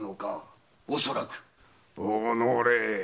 おのれ。